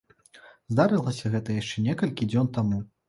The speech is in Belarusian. Здарылася гэта яшчэ некалькі дзён таму.